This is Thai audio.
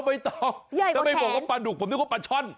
ไม่ต้องถ้าไปบอกว่าปลาดุกผมนึกว่าปลาช่อน